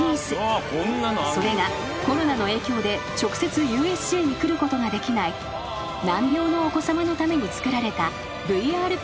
［それがコロナの影響で直接ＵＳＪに来ることができない難病のお子さまのために作られた］